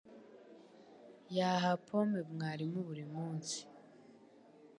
Yaha pome mwarimu buri munsi